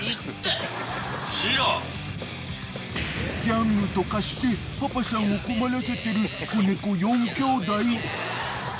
［ギャングと化してパパさんを困らせてる子猫４兄弟］